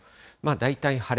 大体晴れ。